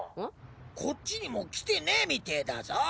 こっちにも来てねぇみてだぞ。